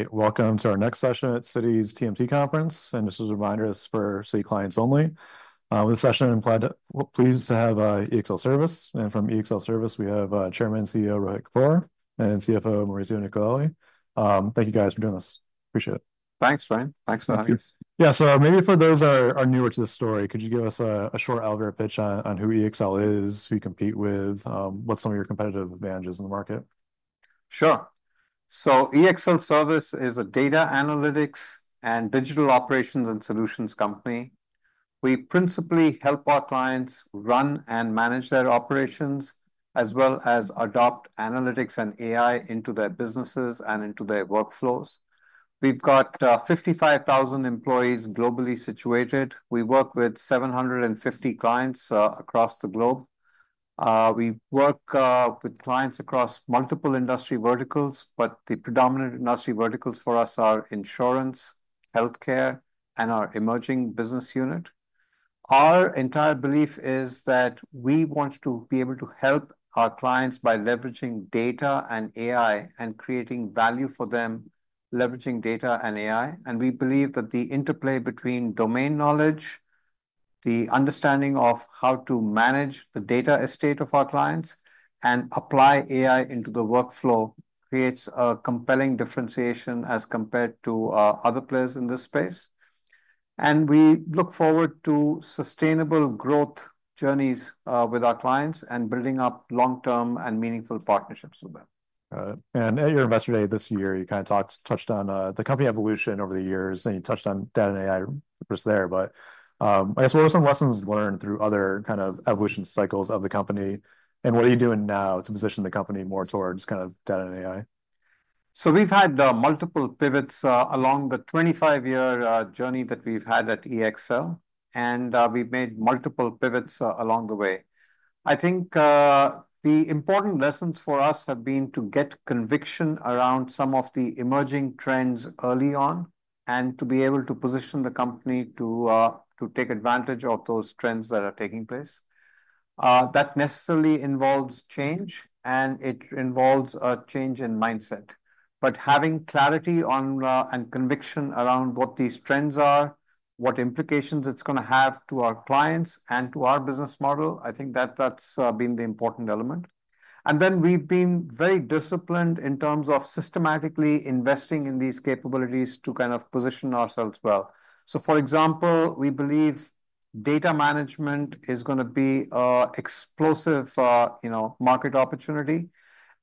All right, welcome to our next session at Citi's TMT conference, and this is a reminder, this is for Citi clients only. This session, I'm pleased to have EXL Service, and from EXL Service, we have Chairman and CEO, Rohit Kapoor, and CFO, Maurizio Nicolelli. Thank you, guys, for doing this. Appreciate it. Thanks, Ryan. Thanks for having us. Yeah. So maybe for those that are newer to this story, could you give us a short elevator pitch on who EXL is, who you compete with, what's some of your competitive advantages in the market? Sure. So EXL Service is a data analytics and digital operations and solutions company. We principally help our clients run and manage their operations, as well as adopt analytics and AI into their businesses and into their workflows. We've got 55,000 employees globally situated. We work with 750 clients, across the globe. We work with clients across multiple industry verticals, but the predominant industry verticals for us are insurance, healthcare, and our emerging business unit. Our entire belief is that we want to be able to help our clients by leveraging data and AI and creating value for them, leveraging data and AI. We believe that the interplay between domain knowledge, the understanding of how to manage the data estate of our clients, and apply AI into the workflow creates a compelling differentiation as compared to other players in this space. We look forward to sustainable growth journeys with our clients and building up long-term and meaningful partnerships with them. Got it. And at your Investor Day this year, you kind of touched on the company evolution over the years, and you touched on data and AI was there. But, I guess, what are some lessons learned through other kind of evolution cycles of the company, and what are you doing now to position the company more towards kind of data and AI? So we've had multiple pivots along the 25-year journey that we've had at EXL, and we've made multiple pivots along the way. I think the important lessons for us have been to get conviction around some of the emerging trends early on and to be able to position the company to take advantage of those trends that are taking place. That necessarily involves change, and it involves a change in mindset. But having clarity on and conviction around what these trends are, what implications it's going to have to our clients and to our business model, I think that that's been the important element. And then we've been very disciplined in terms of systematically investing in these capabilities to kind of position ourselves well. So, for example, we believe data management is going to be an explosive, you know, market opportunity,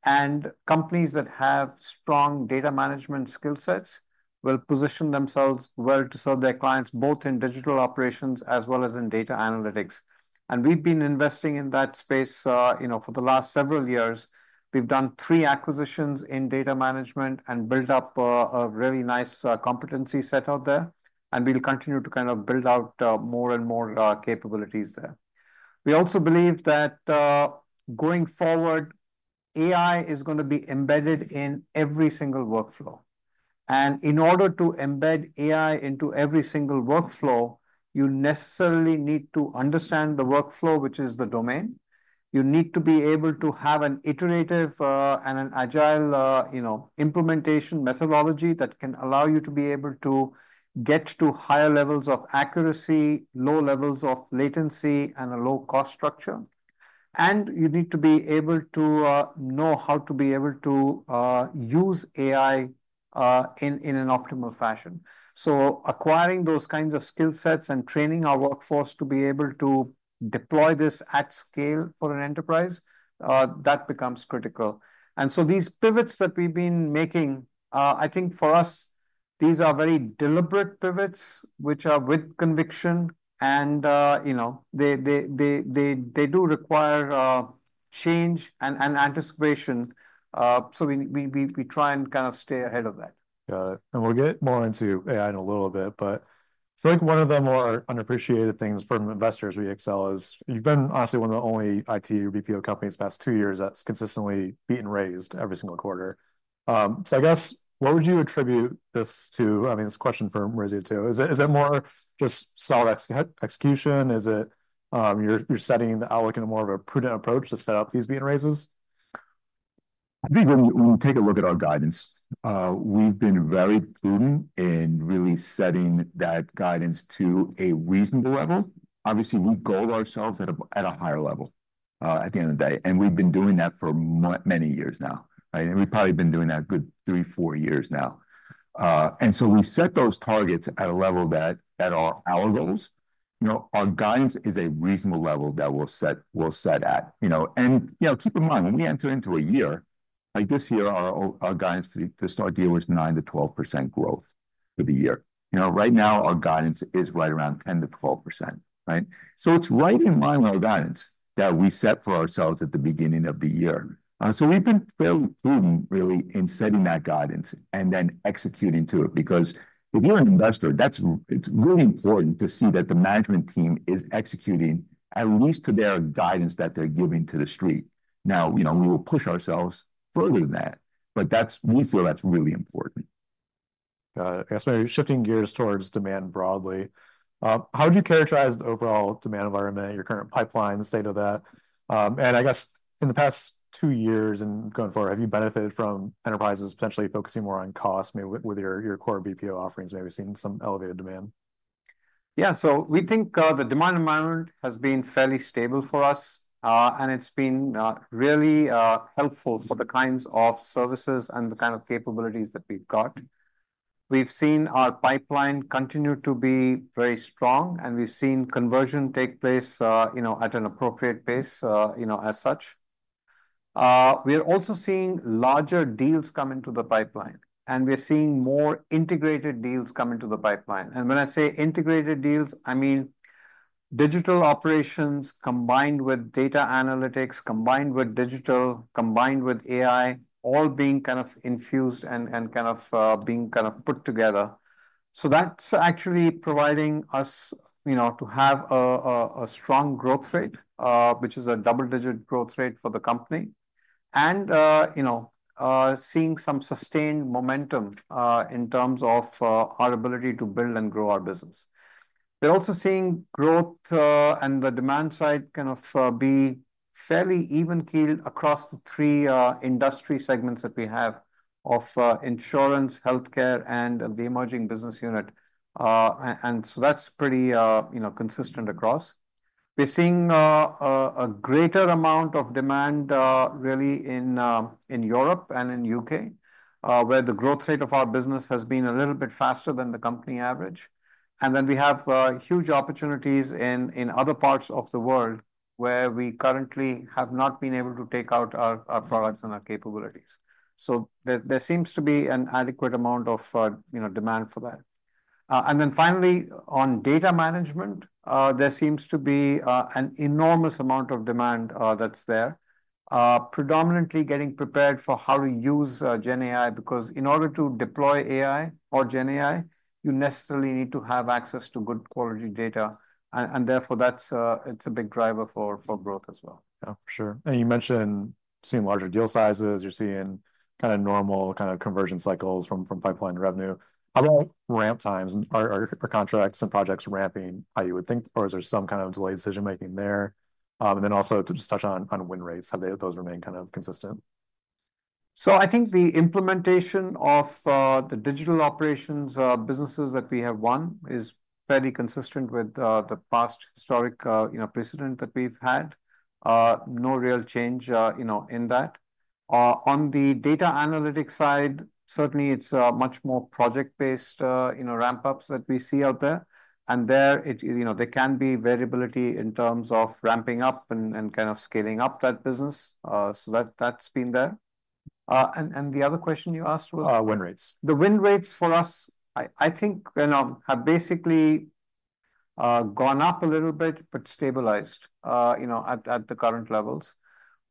and companies that have strong data management skill sets will position themselves well to serve their clients, both in digital operations as well as in data analytics. And we've been investing in that space, you know, for the last several years. We've done three acquisitions in data management and built up a really nice competency set out there, and we'll continue to kind of build out more and more capabilities there. We also believe that, going forward, AI is going to be embedded in every single workflow. And in order to embed AI into every single workflow, you necessarily need to understand the workflow, which is the domain. You need to be able to have an iterative and an agile, you know, implementation methodology that can allow you to be able to get to higher levels of accuracy, low levels of latency, and a low-cost structure. And you need to be able to know how to be able to use AI in an optimal fashion. So acquiring those kinds of skill sets and training our workforce to be able to deploy this at scale for an enterprise, that becomes critical. And so these pivots that we've been making, I think for us, these are very deliberate pivots, which are with conviction, and, you know, they do require change and anticipation. So we try and kind of stay ahead of that. Got it. And we'll get more into AI in a little bit, but I feel like one of the more unappreciated things from investors at EXL is you've been honestly one of the only IT or BPO companies the past two years that's consistently beat and raised every single quarter. So I guess, what would you attribute this to? I mean, this question is for Maurizio, too. Is it more just solid execution? Is it you're setting the outlook in a more of a prudent approach to set up these beat and raises? I think when we take a look at our guidance, we've been very prudent in really setting that guidance to a reasonable level. Obviously, we goal ourselves at a higher level at the end of the day, and we've been doing that for many years now, right? We've probably been doing that a good three, four years now. So we set those targets at a level that are our goals. You know, our guidance is a reasonable level that we'll set at. You know, keep in mind, when we enter into a year, like this year, our guidance for the start of the year was 9%-12% growth for the year. You know, right now, our guidance is right around 10%-12%, right? So it's right in line with our guidance that we set for ourselves at the beginning of the year. So we've been very prudent, really, in setting that guidance and then executing to it, because if you're an investor, that's. It's really important to see that the management team is executing at least to their guidance that they're giving to the street. Now, you know, we will push ourselves further than that, but that's. We feel that's really important.... I guess maybe shifting gears towards demand broadly, how would you characterize the overall demand environment, your current pipeline, the state of that? And I guess in the past two years and going forward, have you benefited from enterprises potentially focusing more on cost, maybe with your core BPO offerings maybe seeing some elevated demand? Yeah. So we think the demand environment has been fairly stable for us, and it's been really helpful for the kinds of services and the kind of capabilities that we've got. We've seen our pipeline continue to be very strong, and we've seen conversion take place, you know, at an appropriate pace, you know, as such. We are also seeing larger deals come into the pipeline, and we are seeing more integrated deals come into the pipeline. And when I say integrated deals, I mean digital operations combined with data analytics, combined with digital, combined with AI, all being kind of infused and kind of being kind of put together. So that's actually providing us, you know, to have a strong growth rate, which is a double-digit growth rate for the company, and, you know, seeing some sustained momentum in terms of our ability to build and grow our business. We're also seeing growth, and the demand side kind of be fairly even keeled across the three industry segments that we have of insurance, healthcare, and the Emerging Business Unit. And so that's pretty, you know, consistent across. We're seeing a greater amount of demand, really in in Europe and in U.K., where the growth rate of our business has been a little bit faster than the company average. And then we have huge opportunities in other parts of the world, where we currently have not been able to take out our products and our capabilities. So there seems to be an adequate amount of you know demand for that. And then finally, on data management, there seems to be an enormous amount of demand that's there. Predominantly getting prepared for how to use GenAI, because in order to deploy AI or GenAI, you necessarily need to have access to good quality data, and therefore that's it's a big driver for growth as well. Yeah, for sure. And you mentioned seeing larger deal sizes. You're seeing kind of normal kind of conversion cycles from pipeline to revenue. How about ramp times? Are contracts and projects ramping how you would think, or is there some kind of delayed decision-making there? And then also to just touch on win rates, have they those remained kind of consistent? So I think the implementation of the digital operations businesses that we have won is fairly consistent with the past historic you know precedent that we've had. No real change you know in that. On the data analytics side, certainly it's much more project-based you know ramp-ups that we see out there, and there you know there can be variability in terms of ramping up and kind of scaling up that business. So that that's been there. And the other question you asked was? Win rates. The win rates for us, I think, you know, have basically gone up a little bit, but stabilized, you know, at the current levels.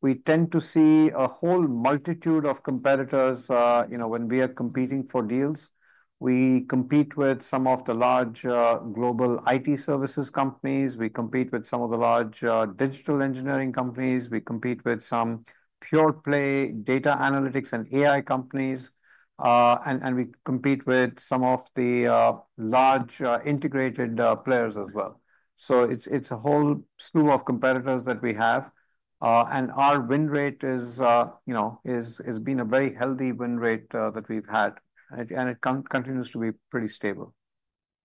We tend to see a whole multitude of competitors. You know, when we are competing for deals, we compete with some of the large global IT services companies. We compete with some of the large digital engineering companies. We compete with some pure-play data analytics and AI companies, and we compete with some of the large integrated players as well. So it's a whole slew of competitors that we have, and our win rate is, you know, has been a very healthy win rate that we've had, and it continues to be pretty stable.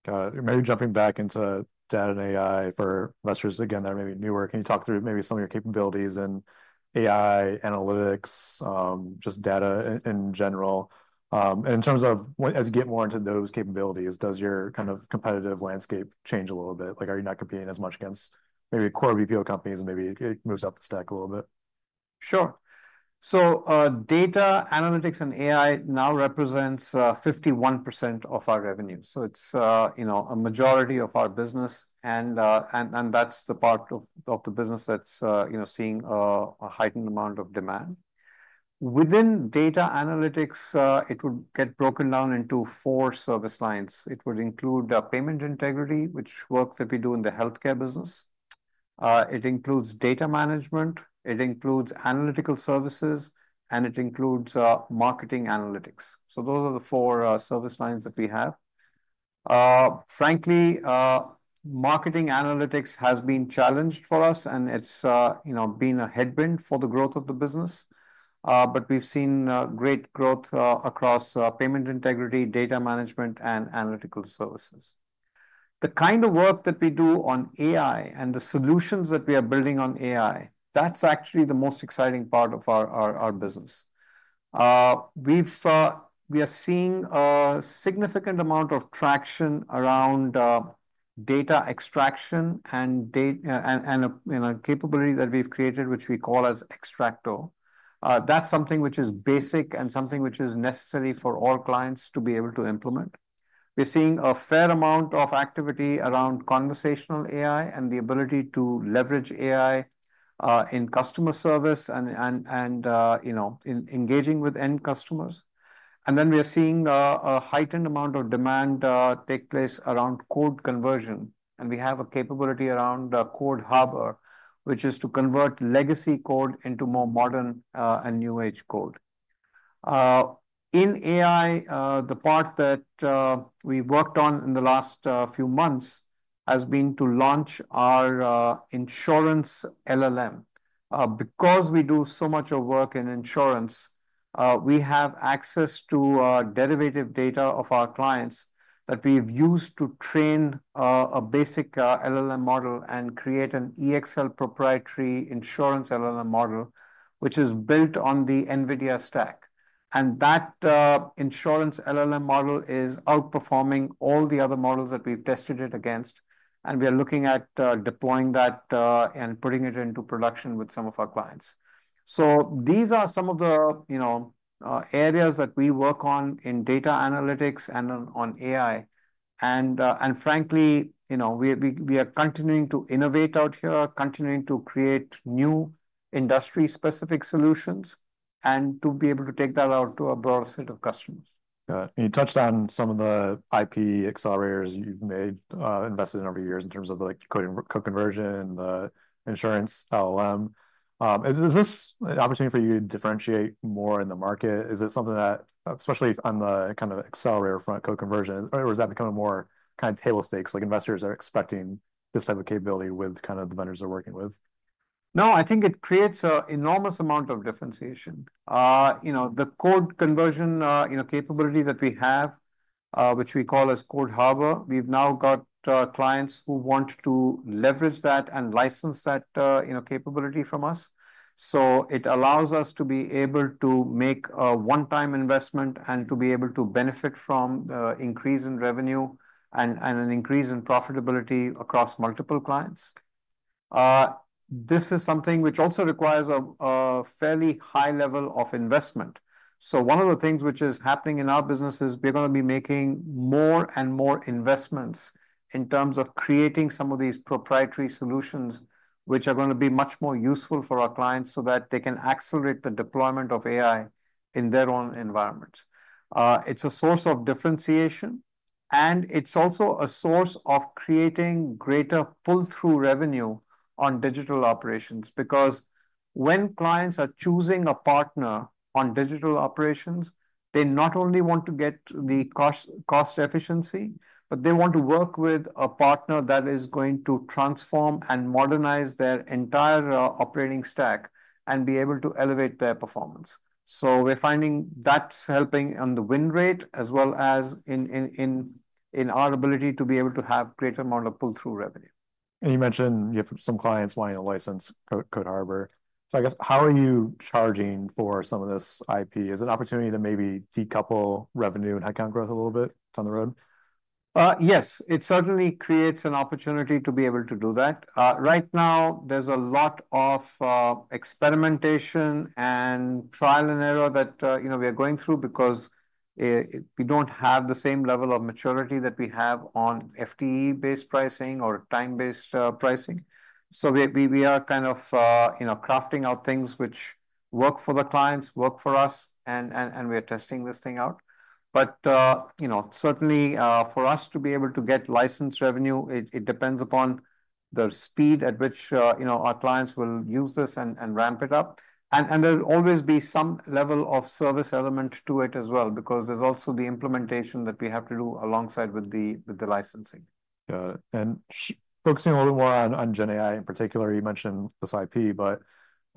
Got it. Maybe jumping back into data and AI for investors again that may be newer, can you talk through maybe some of your capabilities in AI, analytics, just data in general, and in terms of what, as you get more into those capabilities, does your kind of competitive landscape change a little bit? Like, are you not competing as much against maybe core BPO companies, and maybe it moves up the stack a little bit? Sure. So, data analytics and AI now represents 51% of our revenue. So it's, you know, a majority of our business, and that's the part of the business that's, you know, seeing a heightened amount of demand. Within data analytics, it would get broken down into four service lines. It would include payment integrity, which works that we do in the healthcare business. It includes data management, it includes analytical services, and it includes marketing analytics. So those are the four service lines that we have. Frankly, marketing analytics has been challenged for us, and it's, you know, been a headwind for the growth of the business. But we've seen great growth across payment integrity, data management, and analytical services. The kind of work that we do on AI and the solutions that we are building on AI, that's actually the most exciting part of our business. We are seeing a significant amount of traction around data extraction and, you know, a capability that we've created, which we call as XTRAKTO. That's something which is basic and something which is necessary for all clients to be able to implement. We're seeing a fair amount of activity around conversational AI and the ability to leverage AI in customer service and, you know, in engaging with end customers and then we are seeing a heightened amount of demand take place around code conversion, and we have a capability around Code Harbor, which is to convert legacy code into more modern and new-age code. In AI, the part that we worked on in the last few months has been to launch our Insurance LLM. Because we do so much of work in insurance, we have access to derivative data of our clients that we've used to train a basic LLM model and create an EXL proprietary Insurance LLM model, which is built on the NVIDIA stack. And that Insurance LLM model is outperforming all the other models that we've tested it against, and we are looking at deploying that and putting it into production with some of our clients. So these are some of the, you know, areas that we work on in data analytics and on AI. Frankly, you know, we are continuing to innovate out here, continuing to create new industry-specific solutions, and to be able to take that out to a broader set of customers. Got it. And you touched on some of the IP accelerators you've made, invested in over the years in terms of, like, code, code conversion, the insurance LLM. Is this an opportunity for you to differentiate more in the market? Is it something that, especially on the kind of accelerator front code conversion, or is that becoming more kind of table stakes, like investors are expecting this type of capability with kind of the vendors they're working with? No, I think it creates a enormous amount of differentiation. You know, the code conversion capability that we have, which we call as Code Harbor, we've now got clients who want to leverage that and license that capability from us. So it allows us to be able to make a one-time investment and to be able to benefit from increase in revenue and an increase in profitability across multiple clients. This is something which also requires a fairly high level of investment. So one of the things which is happening in our business is we're gonna be making more and more investments in terms of creating some of these proprietary solutions, which are gonna be much more useful for our clients, so that they can accelerate the deployment of AI in their own environments. It's a source of differentiation, and it's also a source of creating greater pull-through revenue on digital operations. Because when clients are choosing a partner on digital operations, they not only want to get the cost, cost efficiency, but they want to work with a partner that is going to transform and modernize their entire operating stack and be able to elevate their performance. So we're finding that's helping on the win rate as well as in our ability to be able to have greater amount of pull-through revenue. And you mentioned you have some clients wanting to license Code Harbor. So I guess, how are you charging for some of this IP? Is it an opportunity to maybe decouple revenue and headcount growth a little bit down the road? Yes, it certainly creates an opportunity to be able to do that. Right now, there's a lot of experimentation and trial and error that you know, we are going through because we don't have the same level of maturity that we have on FTE-based pricing or time-based pricing. So we are kind of you know, crafting out things which work for the clients, work for us, and we are testing this thing out. But you know, certainly for us to be able to get license revenue, it depends upon the speed at which you know, our clients will use this and ramp it up. And there'll always be some level of service element to it as well, because there's also the implementation that we have to do alongside with the licensing. Got it. And focusing a little more on GenAI in particular, you mentioned this IP, but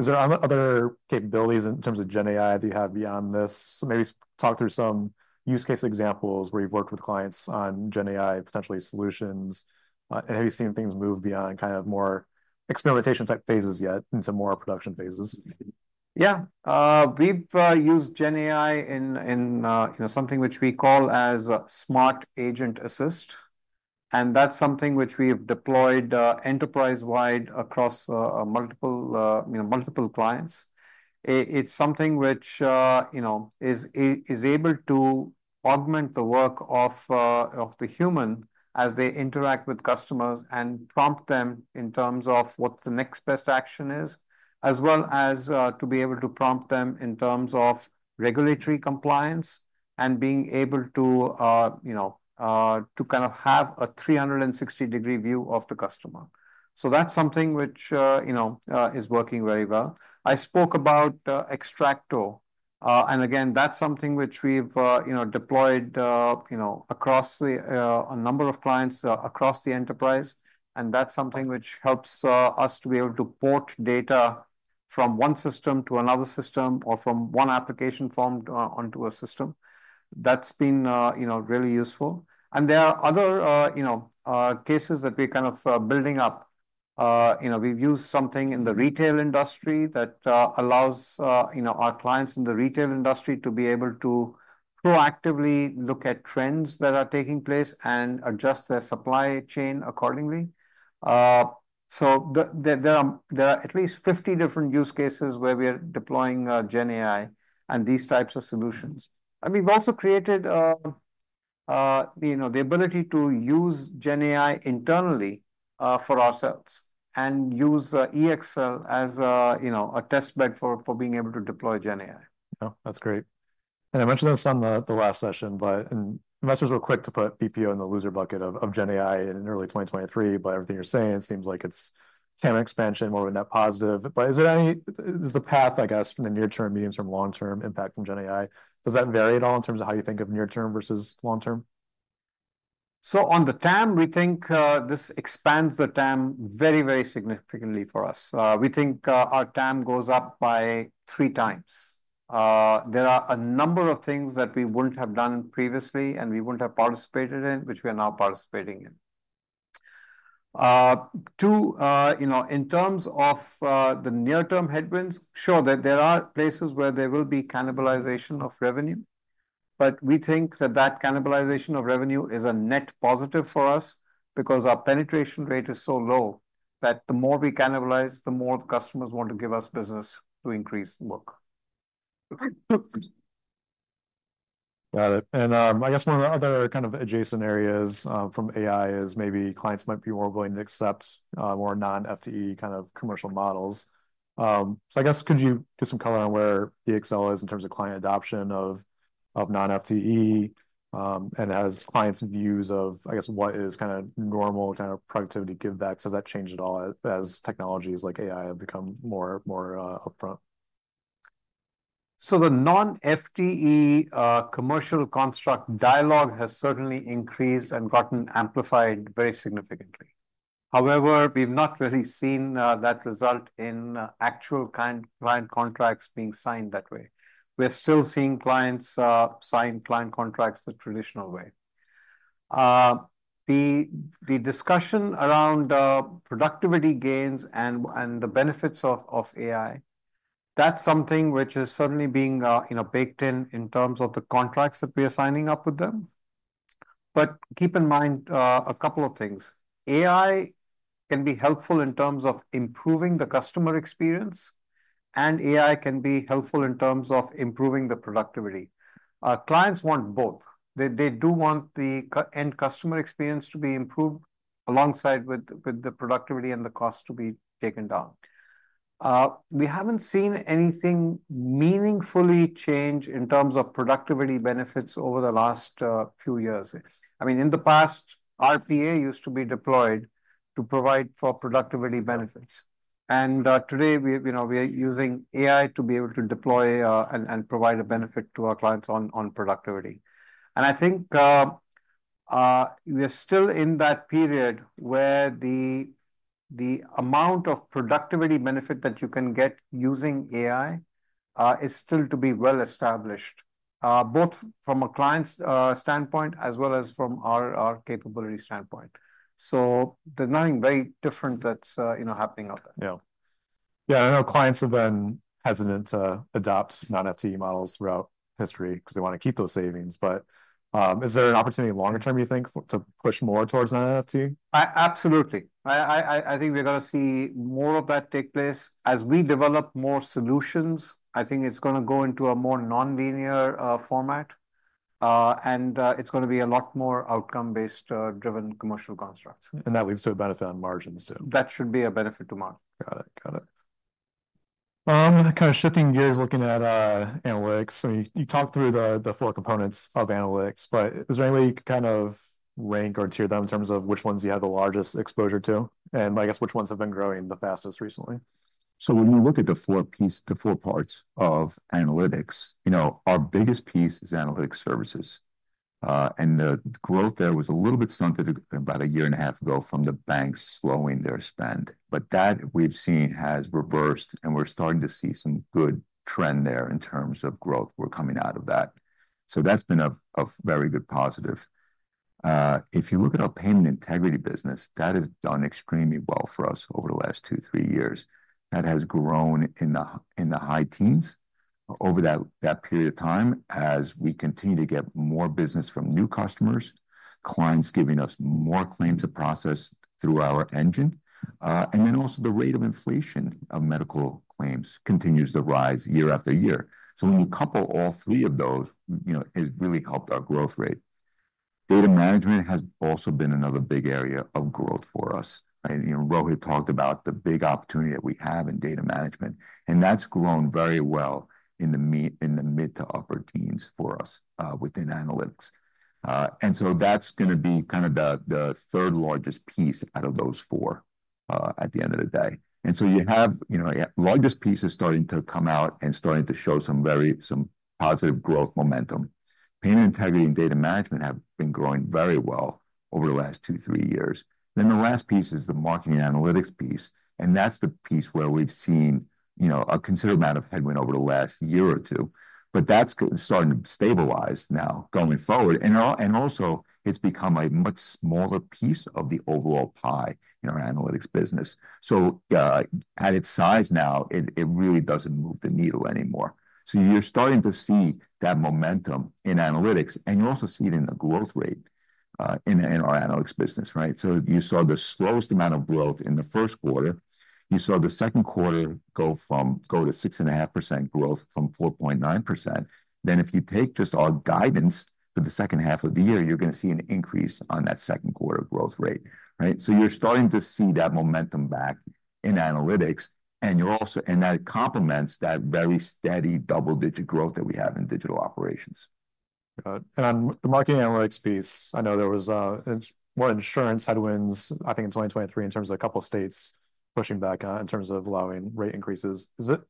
is there other capabilities in terms of GenAI that you have beyond this? Maybe talk through some use case examples where you've worked with clients on GenAI, potentially solutions, and have you seen things move beyond kind of more experimentation-type phases yet into more production phases? Yeah. We've used GenAI in you know something which we call as Smart Agent Assist, and that's something which we've deployed enterprise-wide across multiple you know clients. It's something which you know is able to augment the work of the human as they interact with customers and prompt them in terms of what the next best action is, as well as to be able to prompt them in terms of regulatory compliance and being able to you know to kind of have a 360-view of the customer. So that's something which you know is working very well. I spoke about XTRAKTO, and again, that's something which we've you know, deployed you know, across the a number of clients across the enterprise, and that's something which helps us to be able to port data from one system to another system or from one application form onto a system. That's been you know, really useful, and there are other you know, cases that we're kind of building up. You know, we've used something in the retail industry that allows you know, our clients in the retail industry to be able to proactively look at trends that are taking place and adjust their supply chain accordingly, so there are at least fifty different use cases where we are deploying GenAI and these types of solutions. We've also created, you know, the ability to use GenAI internally for ourselves and use EXL as, you know, a test bed for being able to deploy GenAI. Oh, that's great. And I mentioned this on the last session, but, and investors were quick to put BPO in the loser bucket of GenAI in early 2023. By everything you're saying, it seems like it's TAM expansion, more of a net positive. But is there any, is the path, I guess, from the near term, medium term, long-term impact from GenAI, does that vary at all in terms of how you think of near term versus long term?... So on the TAM, we think, this expands the TAM very, very significantly for us. We think, our TAM goes up by three times. There are a number of things that we wouldn't have done previously, and we wouldn't have participated in, which we are now participating in. Two, you know, in terms of, the near-term headwinds, sure, there are places where there will be cannibalization of revenue, but we think that that cannibalization of revenue is a net positive for us because our penetration rate is so low, that the more we cannibalize, the more customers want to give us business to increase work. Got it. And, I guess one of the other kind of adjacent areas from AI is maybe clients might be more willing to accept more non-FTE kind of commercial models. So, I guess could you give some color on where EXL is in terms of client adoption of non-FTE, and as clients' views of, I guess, what is kind of normal productivity giveback? Has that changed at all as technologies like AI have become more upfront? So the non-FTE commercial construct dialogue has certainly increased and gotten amplified very significantly. However, we've not really seen that result in actual client contracts being signed that way. We're still seeing clients sign client contracts the traditional way. The discussion around productivity gains and the benefits of AI, that's something which is certainly being, you know, baked in, in terms of the contracts that we are signing up with them. But keep in mind a couple of things: AI can be helpful in terms of improving the customer experience, and AI can be helpful in terms of improving the productivity. Our clients want both. They do want the end customer experience to be improved alongside with the productivity and the cost to be taken down. We haven't seen anything meaningfully change in terms of productivity benefits over the last few years. I mean, in the past, RPA used to be deployed to provide for productivity benefits, and today we, you know, we are using AI to be able to deploy and provide a benefit to our clients on productivity, and I think we are still in that period where the amount of productivity benefit that you can get using AI is still to be well-established both from a client's standpoint as well as from our capability standpoint, so there's nothing very different that's you know happening out there. Yeah. Yeah, I know clients have been hesitant to adopt non-FTE models throughout history because they want to keep those savings. But, is there an opportunity longer term, you think, for to push more towards non-FTE? Absolutely. I think we're gonna see more of that take place. As we develop more solutions, I think it's gonna go into a more non-linear format, and it's gonna be a lot more outcome-based driven commercial constructs. That leads to a benefit on margins, too. That should be a benefit to margin. Got it. Got it. Kind of shifting gears, looking at analytics. So you talked through the four components of analytics, but is there any way you could kind of rank or tier them in terms of which ones you have the largest exposure to? And I guess which ones have been growing the fastest recently. So when we look at the four parts of analytics, you know, our biggest piece is analytics services. And the growth there was a little bit stunted about a year and a half ago from the banks slowing their spend, but that, we've seen, has reversed, and we're starting to see some good trend there in terms of growth. We're coming out of that. So that's been a very good positive. If you look at our payment integrity business, that has done extremely well for us over the last two, three years. That has grown in the high teens over that period of time as we continue to get more business from new customers, clients giving us more claims to process through our engine, and then also the rate of inflation of medical claims continues to rise year after year, so when you couple all three of those, you know, it has really helped our growth rate. Data management has also been another big area of growth for us, and you know, Rohit talked about the big opportunity that we have in data management, and that's grown very well in the mid to upper teens for us within analytics, and so that's gonna be kind of the third-largest piece out of those four at the end of the day. And so you have, you know, the largest piece is starting to come out and starting to show some very positive growth momentum. Payment integrity and data management have been growing very well over the last two, three years. Then the last piece is the marketing analytics piece, and that's the piece where we've seen, you know, a considerable amount of headwind over the last year or two. But that's starting to stabilize now, going forward, and also, it's become a much smaller piece of the overall pie in our analytics business. So, at its size now, it really doesn't move the needle anymore. So you're starting to see that momentum in analytics, and you're also seeing it in the growth rate, in our analytics business, right? So you saw the slowest amount of growth in the first quarter. You saw the second quarter go from 4.9%-6.5% growth. Then, if you take just our guidance for the second half of the year, you're gonna see an increase on that second quarter growth rate, right? So you're starting to see that momentum back in analytics, and that complements that very steady double-digit growth that we have in digital operations. Got it. And on the marketing analytics piece, I know there was more insurance headwinds, I think, in 2023, in terms of a couple of states pushing back in terms of allowing rate increases. Is the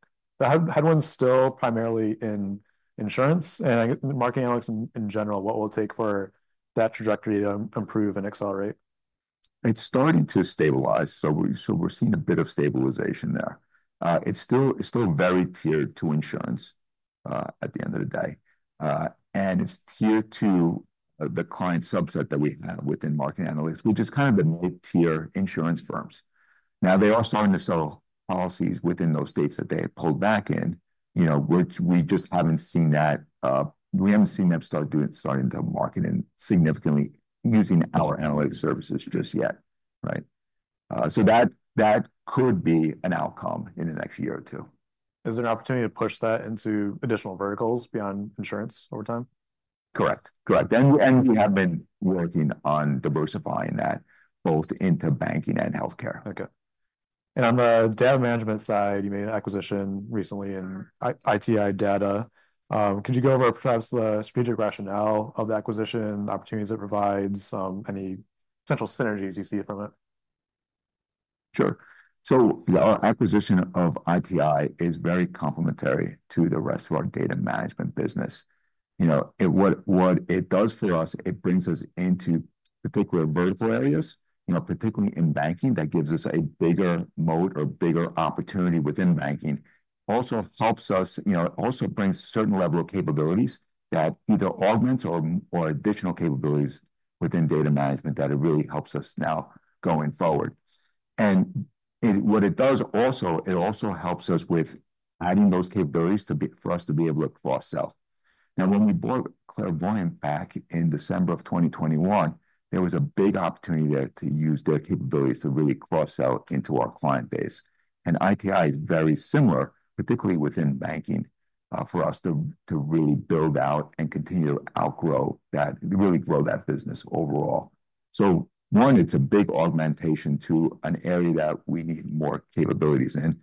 headwind's still primarily in insurance, and market analytics in general, what will it take for that trajectory to improve and accelerate? It's starting to stabilize, so we're seeing a bit of stabilization there. It's still very tiered to insurance at the end of the day, and it's tiered to the client subset that we have within marketing analytics, which is kind of the mid-tier insurance firms. Now, they are starting to sell policies within those states that they had pulled back in, you know, which we just haven't seen. We haven't seen them starting to market and significantly using our analytical services just yet, right? That could be an outcome in the next year or two. Is there an opportunity to push that into additional verticals beyond insurance over time? Correct. And we have been working on diversifying that, both into banking and healthcare. Okay. And on the data management side, you made an acquisition recently in ITI Data. Could you go over perhaps the strategic rationale of the acquisition, opportunities it provides, any potential synergies you see from it? Sure. So the acquisition of ITI is very complementary to the rest of our data management business. You know, it-- what it does for us, it brings us into particular vertical areas, you know, particularly in banking, that gives us a bigger moat or bigger opportunity within banking. Also helps us, you know, it also brings a certain level of capabilities that either augments or additional capabilities within data management that it really helps us now going forward. And it-- what it does also, it also helps us with adding those capabilities for us to be able to cross-sell. Now, when we bought Clairvoyant back in December of 2021, there was a big opportunity there to use their capabilities to really cross-sell into our client base. ITI is very similar, particularly within banking, for us to really build out and continue to outgrow that, really grow that business overall. One, it's a big augmentation to an area that we need more capabilities in.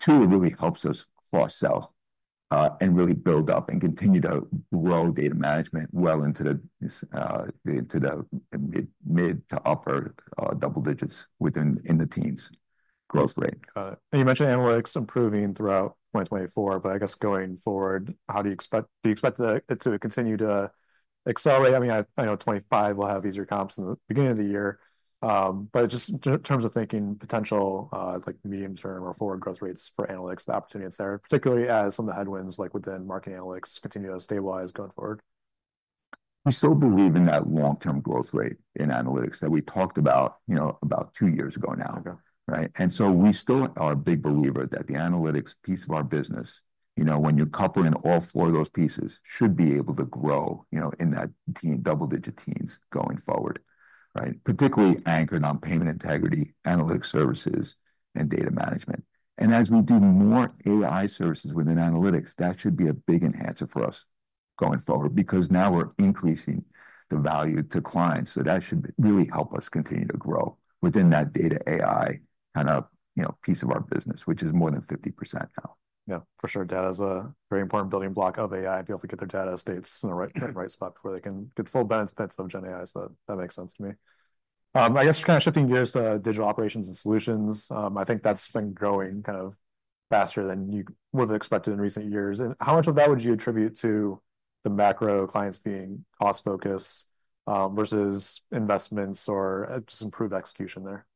Two, it really helps us cross-sell and really build up and continue to grow data management well into the mid- to upper double digits in the teens growth rate. Got it. And you mentioned analytics improving throughout 2024, but I guess going forward, how do you expect... Do you expect it to continue to accelerate? I mean, I know 2025 will have easier comps in the beginning of the year, but just in terms of thinking potential, like medium-term or forward growth rates for analytics, the opportunities there, particularly as some of the headwinds, like within market analytics, continue to stabilize going forward. We still believe in that long-term growth rate in analytics that we talked about, you know, about two years ago now. Okay. Right? And so we still are a big believer that the analytics piece of our business, you know, when you're coupling all four of those pieces, should be able to grow, you know, in the teens, double-digit teens going forward, right? Particularly anchored on payment integrity, analytical services, and data management. And as we do more AI services within analytics, that should be a big enhancer for us going forward because now we're increasing the value to clients, so that should really help us continue to grow within that data AI kind of, you know, piece of our business, which is more than 50% now. Yeah, for sure. Data is a very important building block of AI. Be able to get their data estates in the right spot before they can get the full benefits of gen AI, so that makes sense to me. I guess kind of shifting gears to digital operations and solutions, I think that's been growing kind of faster than you would've expected in recent years. And how much of that would you attribute to the macro clients being cost focus, versus investments or just improved execution there?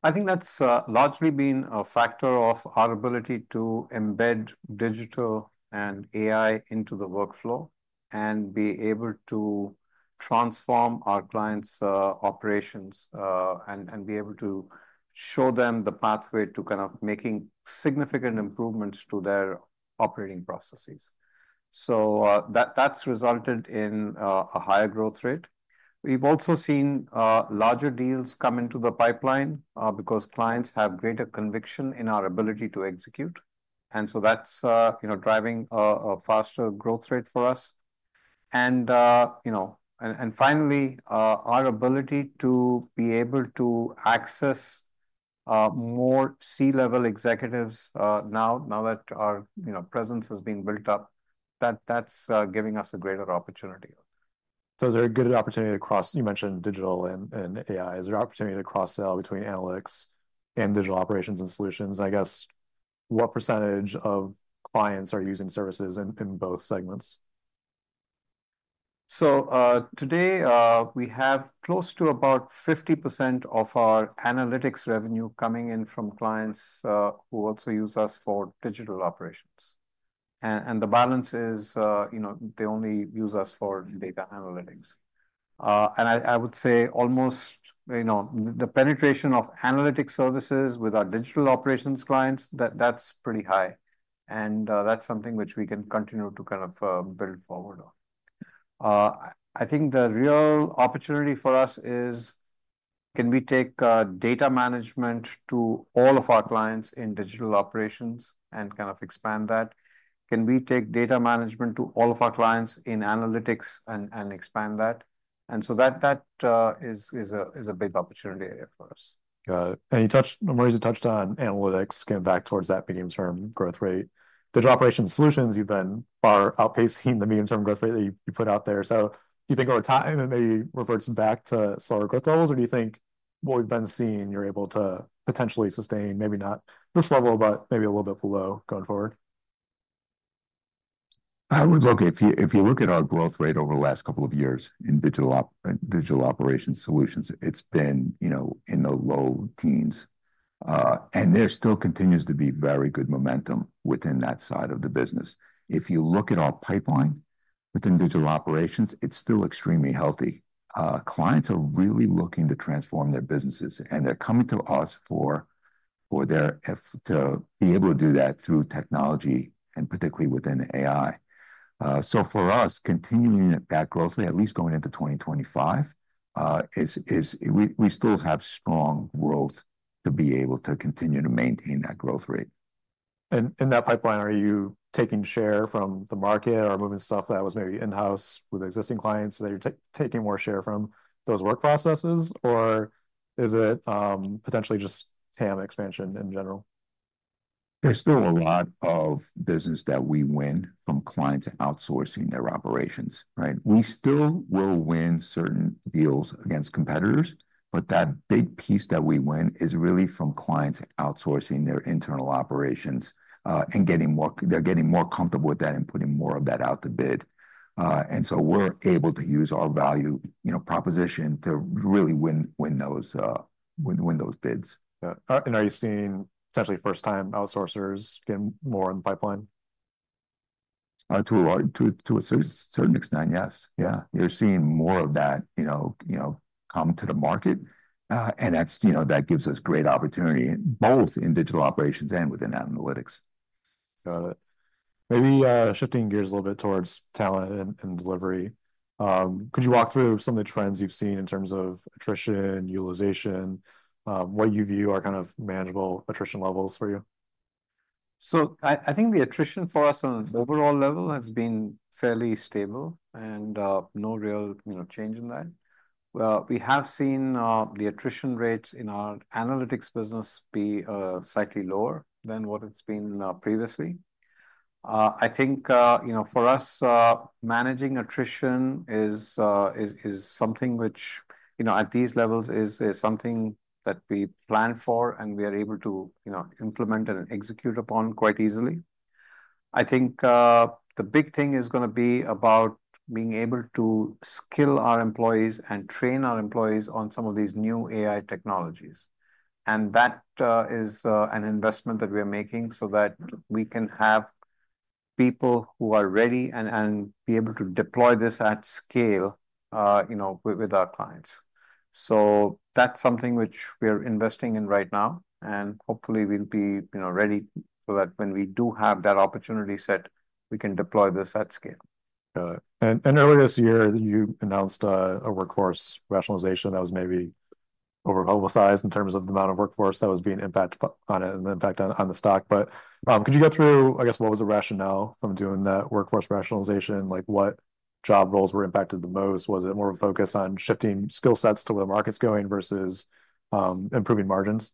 I think that's largely been a factor of our ability to embed digital and AI into the workflow and be able to transform our clients' operations, and be able to show them the pathway to kind of making significant improvements to their operating processes. So, that that's resulted in a higher growth rate. We've also seen larger deals come into the pipeline because clients have greater conviction in our ability to execute. And so that's you know driving a faster growth rate for us. And you know and finally our ability to be able to access more C-level executives now that our you know presence has been built up, that's giving us a greater opportunity. So is there a good opportunity? You mentioned digital and AI. Is there an opportunity to cross-sell between analytics and digital operations and solutions? I guess, what percentage of clients are using services in both segments? So, today, we have close to about 50% of our analytics revenue coming in from clients, who also use us for digital operations. And the balance is, you know, they only use us for data analytics. And I would say almost, you know, the penetration of analytics services with our digital operations clients, that's pretty high, and that's something which we can continue to kind of build forward on. I think the real opportunity for us is, can we take data management to all of our clients in digital operations and kind of expand that? Can we take data management to all of our clients in analytics and expand that? And so that is a big opportunity area for us. Got it. And you touched, Maurizio, you touched on analytics, getting back towards that medium-term growth rate. Digital operation solutions, you've been far outpacing the medium-term growth rate that you put out there. So do you think over time it may revert back to slower growth levels, or do you think what we've been seeing, you're able to potentially sustain, maybe not this level, but maybe a little bit below going forward? ... I would look. If you look at our growth rate over the last couple of years in digital operations solutions, it's been, you know, in the low teens. There still continues to be very good momentum within that side of the business. If you look at our pipeline within digital operations, it's still extremely healthy. Clients are really looking to transform their businesses, and they're coming to us for their efforts to be able to do that through technology, and particularly within AI. For us, continuing at that growth rate, at least going into 2025, we still have strong growth to be able to continue to maintain that growth rate. In that pipeline, are you taking share from the market or moving stuff that was maybe in-house with existing clients, so that you're taking more share from those work processes? Or is it potentially just TAM expansion in general? There's still a lot of business that we win from clients outsourcing their operations, right? We still will win certain deals against competitors, but that big piece that we win is really from clients outsourcing their internal operations, and getting more... They're getting more comfortable with that and putting more of that out to bid. And so we're able to use our value, you know, proposition to really win those bids. Are you seeing potentially first-time outsourcers getting more in the pipeline? To a certain extent, yes. Yeah, we're seeing more of that, you know, come to the market. And that's, you know, that gives us great opportunity, both in digital operations and within analytics. Got it. Maybe shifting gears a little bit towards talent and delivery. Could you walk through some of the trends you've seen in terms of attrition, utilization, what you view are kind of manageable attrition levels for you? I think the attrition for us on an overall level has been fairly stable and, no real, you know, change in that. We have seen the attrition rates in our analytics business be slightly lower than what it's been previously. I think, you know, for us, managing attrition is something which, you know, at these levels is something that we plan for and we are able to, you know, implement and execute upon quite easily. I think the big thing is gonna be about being able to skill our employees and train our employees on some of these new AI technologies. And that is an investment that we are making so that we can have people who are ready and be able to deploy this at scale, you know, with our clients. So that's something which we are investing in right now, and hopefully, we'll be, you know, ready so that when we do have that opportunity set, we can deploy this at scale. Got it. And earlier this year, you announced a workforce rationalization that was maybe over oversized in terms of the amount of workforce that was being impacted on it, and the impact on the stock. But could you go through, I guess, what was the rationale from doing that workforce rationalization? Like, what job roles were impacted the most? Was it more of a focus on shifting skill sets to where the market's going versus improving margins?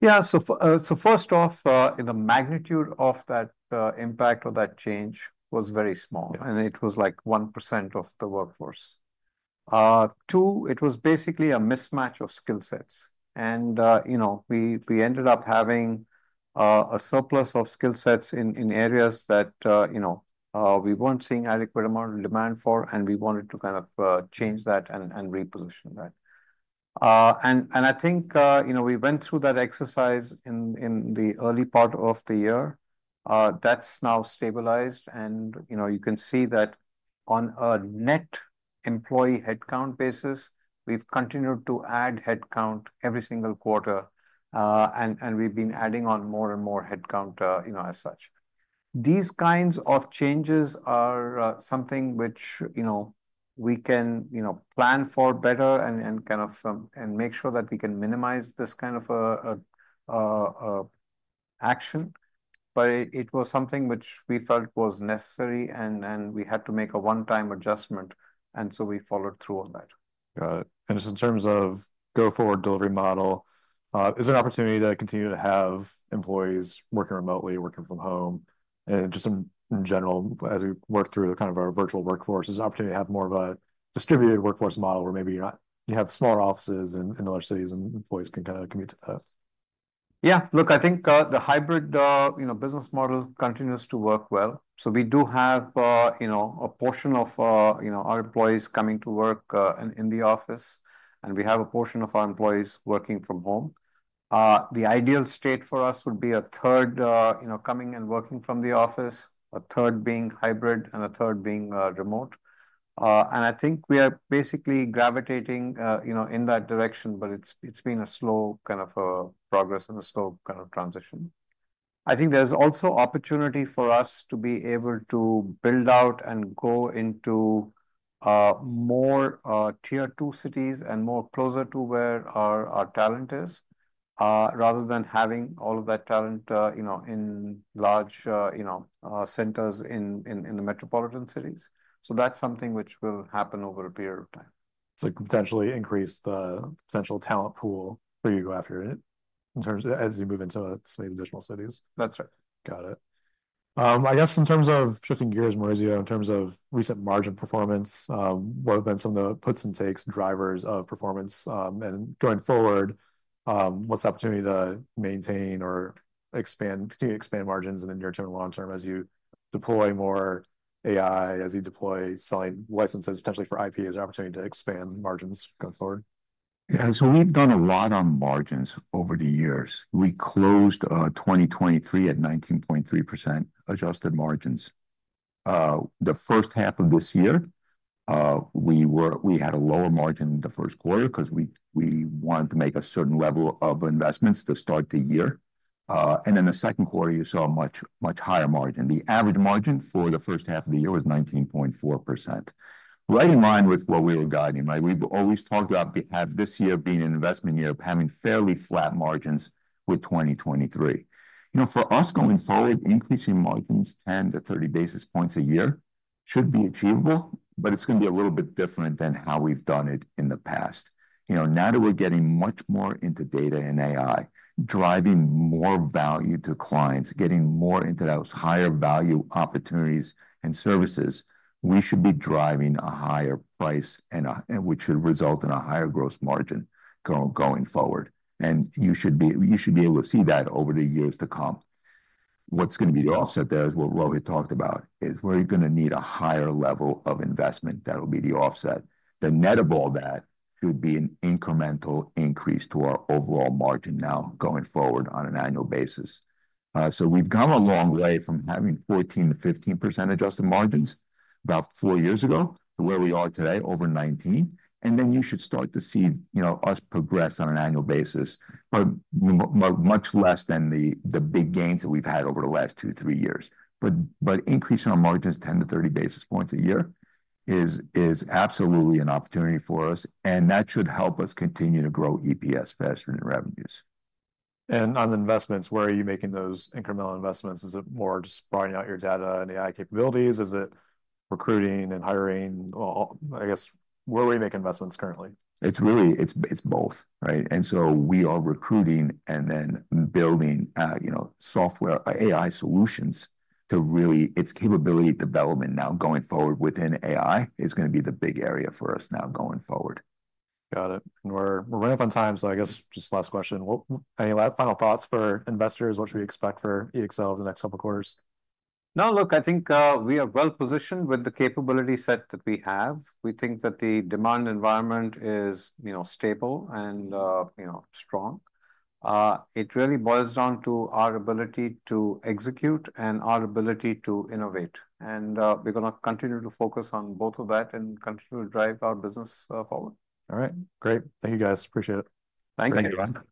Yeah. So first off, in the magnitude of that impact or that change was very small- Yeah... and it was like 1% of the workforce. Two, it was basically a mismatch of skill sets, and you know, we ended up having a surplus of skill sets in areas that you know, we weren't seeing adequate amount of demand for, and we wanted to kind of change that and reposition that, and I think you know, we went through that exercise in the early part of the year. That's now stabilized, and you know, you can see that on a net employee headcount basis. We've continued to add headcount every single quarter, and we've been adding on more and more headcount you know, as such. These kinds of changes are something which, you know, we can, you know, plan for better and make sure that we can minimize this kind of a action, but it was something which we felt was necessary, and we had to make a one-time adjustment, and so we followed through on that. Got it. And just in terms of go-forward delivery model, is there an opportunity to continue to have employees working remotely, working from home? And just in general, as we work through kind of our virtual workforce, there's an opportunity to have more of a distributed workforce model, where maybe you have smaller offices in other cities, and employees can kind of commute to that. Yeah. Look, I think, the hybrid, you know, business model continues to work well. So we do have, you know, a portion of, you know, our employees coming to work, in the office, and we have a portion of our employees working from home. The ideal state for us would be a third, you know, coming and working from the office, a third being hybrid, and a third being, remote, and I think we are basically gravitating, you know, in that direction, but it's been a slow kind of progress and a slow kind of transition. I think there's also opportunity for us to be able to build out and go into more tier two cities and more closer to where our talent is rather than having all of that talent you know in large centers in the metropolitan cities. So that's something which will happen over a period of time. So potentially increase the potential talent pool where you go after it, in terms-- as you move into, some additional cities? That's right. Got it. I guess in terms of shifting gears more, as you know, in terms of recent margin performance, what have been some of the puts and takes, drivers of performance, and going forward, what's the opportunity to maintain or expand, continue to expand margins in the near term and long term as you deploy more AI, as you deploy selling licenses potentially for IP? Is there an opportunity to expand margins going forward? Yeah, so we've done a lot on margins over the years. We closed 2023 at 19.3% adjusted margins. The first half of this year, we had a lower margin in the first quarter 'cause we wanted to make a certain level of investments to start the year, and in the second quarter, you saw a much, much higher margin. The average margin for the first half of the year was 19.4%. Right in line with what we were guiding. Like, we've always talked about have this year being an investment year, of having fairly flat margins with 2023. You know, for us, going forward, increasing margins 10-30 basis points a year should be achievable, but it's gonna be a little bit different than how we've done it in the past. You know, now that we're getting much more into data and AI, driving more value to clients, getting more into those higher value opportunities and services, we should be driving a higher price and, which should result in a higher gross margin going forward. And you should be able to see that over the years to come. What's gonna be the offset there is what we talked about, is we're gonna need a higher level of investment. That'll be the offset. The net of all that should be an incremental increase to our overall margin now going forward on an annual basis. So we've come a long way from having 14%-15% adjusted margins about four years ago, to where we are today, over 19%, and then you should start to see, you know, us progress on an annual basis. But much less than the big gains that we've had over the last two to three years. Increasing our margins 10-30 basis points a year is absolutely an opportunity for us, and that should help us continue to grow EPS faster than revenues. On investments, where are you making those incremental investments? Is it more just broadening out your data and AI capabilities? Is it recruiting and hiring? I guess, where are we making investments currently? It's really. It's, it's both, right? And so we are recruiting and then building, you know, software, AI solutions to really. It's capability development now going forward within AI is gonna be the big area for us now going forward. Got it. And we're running up on time, so I guess just last question. What? Any last final thoughts for investors? What should we expect for EXL over the next couple of quarters? No, look, I think we are well-positioned with the capability set that we have. We think that the demand environment is, you know, stable and, you know, strong. It really boils down to our ability to execute and our ability to innovate. And, we're gonna continue to focus on both of that and continue to drive our business forward. All right. Great. Thank you, guys. Appreciate it. Thank you. Thank you, Ryan.